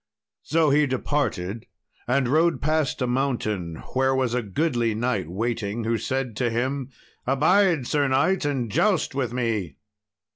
So he departed and rode past a mountain where was a goodly knight waiting, who said to him, "Abide, Sir knight, and joust with me!"